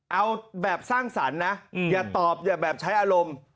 เอาแบบสร้างสรรค์นะอย่าตอบอย่าแบบใช้อารมณ์